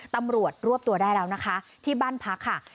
ตำรวจรวบตัวได้แล้วนะคะที่บ้านพักค่ะ